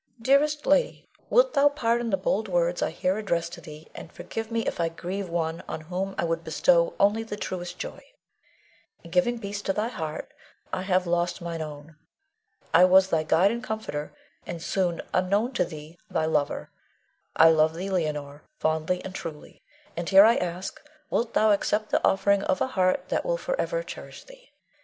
Dearest Lady, Wilt thou pardon the bold words I here address to thee, and forgive me if I grieve one on whom I would bestow only the truest joy. In giving peace to thy heart I have lost mine own. I was thy guide and comforter, and soon, unknown to thee, thy lover. I love thee, Leonore, fondly and truly; and here I ask, wilt thou accept the offering of a heart that will forever cherish thee.